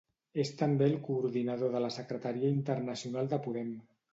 És també el coordinador de la Secretaria Internacional de Podem.